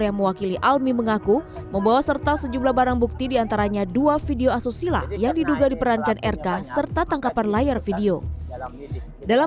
yang mewakili almi mengaku membawa serta sejumlah barang bukti diantaranya dua video asosila yang diduga diperadakan oleh pemerintah indonesia